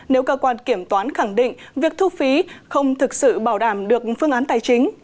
nếu cơ quan kiểm toán khẳng định việc thu phí không thực sự bảo đảm được phương án tài chính